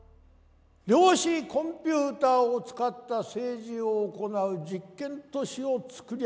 量子コンピューターを使った政治を行う実験都市を作り上げました。